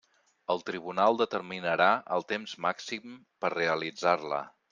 El tribunal determinarà el temps màxim per realitzar-la.